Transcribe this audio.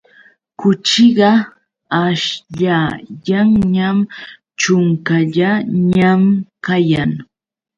Kuchiqa aśhllayanñam, ćhunkallañam kayan.